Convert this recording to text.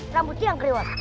rambut lo yang keriwat